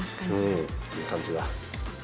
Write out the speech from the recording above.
うんいい感じだ。